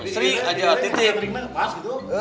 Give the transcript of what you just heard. sering aja tite